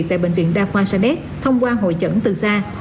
tại bệnh viện đa khoa sa đéc thông qua hội chẩn từ xa